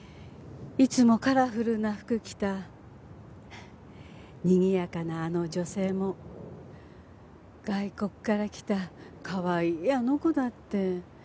いつもカラフルな服着たにぎやかなあの女性も外国から来たかわいいあの子だって。